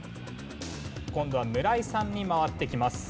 今度は村井さんに回ってきます。